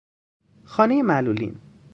خانهی معلولین